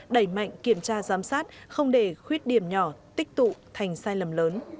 đẩy mạnh kiểm tra giám sát không để khuyết điểm nhỏ tích tụ thành sai lầm lớn